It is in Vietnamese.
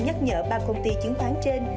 nhắc nhở ba công ty chứng khoán trên